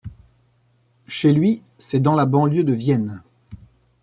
Chez lui, c’est dans la banlieue de Vienne.